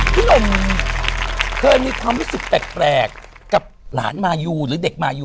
พี่หนุ่มเคยมีความรู้สึกแปลกกับหลานมายูหรือเด็กมายู